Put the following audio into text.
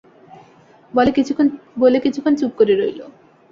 বলে কিছুক্ষণ চুপ করে রইল।